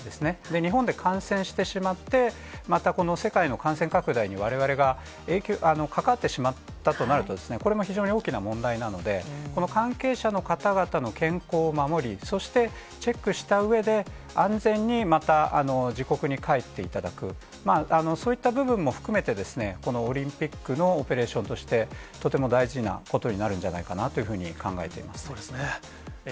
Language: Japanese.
日本で感染してしまって、またこの世界の感染拡大に、われわれが関わってしまったとなると、これも非常に大きな問題なので、この関係者の方々の健康を守り、そしてチェックしたうえで、安全にまた、自国に帰っていただく、そういった部分も含めてですね、このオリンピックのオペレーションとして、とても大事なことになるんじゃないかなというふうに考えています。